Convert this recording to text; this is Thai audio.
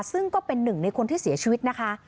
ซึ่งก็เป็นหนึ่งในคนที่เสียชีวิตนะคะ